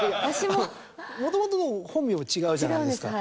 もともとの本名は違うじゃないですか。